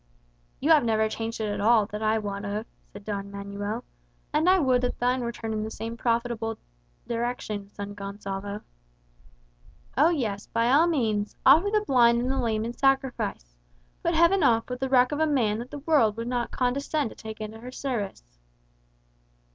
"You have never changed it at all, that I wot of," said Don Manuel. "And I would that thine were turned in the same profitable direction, son Gonsalvo." "Oh yes! By all means. Offer the blind and the lame in sacrifice. Put Heaven off with the wreck of a man that the world will not condescend to take into her service."